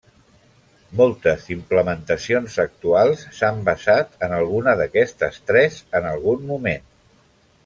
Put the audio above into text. Moltes implementacions actuals s'han basat en alguna d'aquestes tres en algun moment.